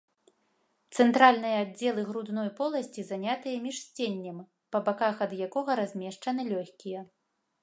Цэнтральныя аддзелы грудной поласці занятыя міжсценнем, па баках ад якога размешчаны лёгкія.